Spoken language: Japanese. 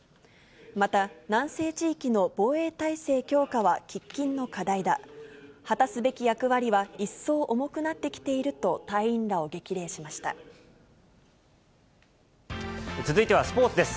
また、南西地域の防衛体制強化は喫緊の課題だ、果たすべき役割は一層重くなってきていると、隊員らを激励しまし続いてはスポーツです。